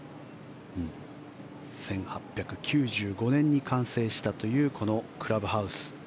１８９５年に完成したというこのクラブハウス。